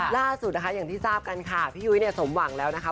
ล่าสุดนะคะอย่างที่ทราบกันค่ะพี่ยุ้ยเนี่ยสมหวังแล้วนะคะ